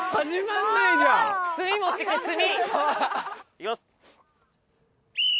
いきます。